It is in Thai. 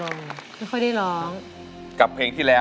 ก็คุ้นตัวอยู่นะครับไอ้อินโทรเพลงนี้